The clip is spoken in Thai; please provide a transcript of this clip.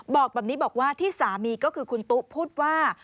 บอกแบบนี้บอกว่าที่สามีก็คือคุณตุ๊พูดว่า